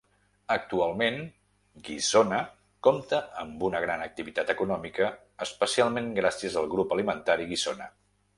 Actualment, Guissona compta amb una gran activitat econòmica especialment gràcies al Grup Alimentari Guissona.